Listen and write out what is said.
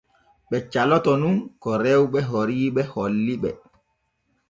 Ɓe caloto nun ka rewɓe oriiɓe holli ɓe.